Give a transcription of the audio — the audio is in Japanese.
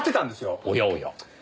おやおや。